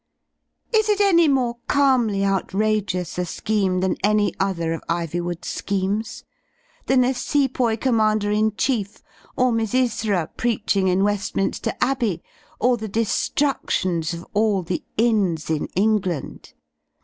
Is it any more calmly outrageous a scheme than any other of Ivy wood's schemes; than a sepoy commander in chief, or Misysra preaching in Westminster Abbey, or the de struction of all the inns in England?